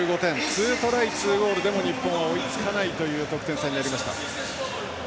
２トライ、２ゴールでも日本は追いつかないという得点差になりました。